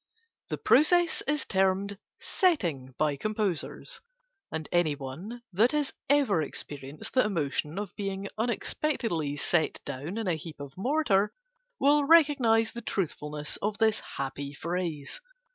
The process is termed "setting" by Composers, and any one, that has ever experienced the emotion of being unexpectedly set down in a heap of mortar, will recognise the truthfulness of this happy phrase.